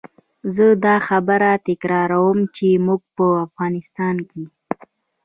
زه دا خبره تکراروم چې موږ په افغانستان کې.